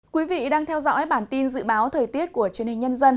quý vị đang theo dõi bản tin dự báo thời tiết của truyền hình nhân dân